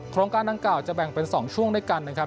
โครงการดังกล่าวจะแบ่งเป็น๒ช่วงด้วยกันนะครับ